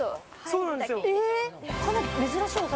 そうなんですよ。